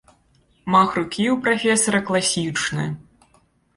Мах рукі ў прафесара класічны!